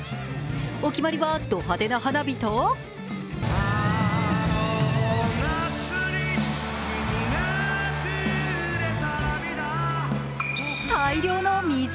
お決まりはド派手な花火と大量の水。